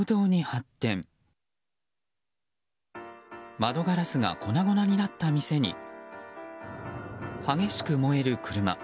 窓ガラスが粉々になった店に激しく燃える車。